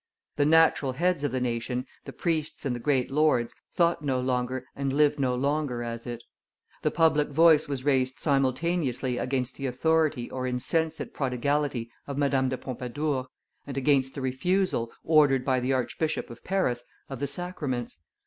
The natural heads of the nation, the priests and the great lords, thought no longer and lived no longer as it. The public voice was raised simultaneously against the authority or insensate prodigality of Madame de Pompadour, and against the refusal, ordered by the Archbishop of Paris, of the sacraments.